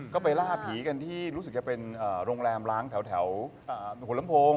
ก็ไปล่าผีกันที่รู้สึกจะเป็นโรงแรมล้างแถวหัวลำโพง